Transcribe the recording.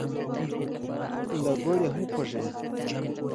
له ګوړې هم خوږې.